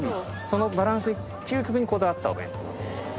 そのバランスに究極にこだわったお弁当。